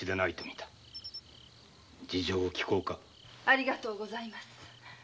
ありがとうございます。